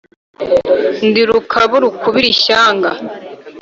ndi rukabu rukubira ishyanga,